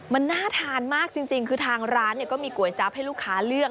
มันน่าทานมากจริงคือทางร้านก็มีก๋วยจั๊บให้ลูกค้าเลือก